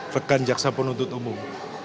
rekan jaksa penuntut umum